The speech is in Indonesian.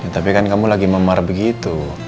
tapi kan kamu lagi memar begitu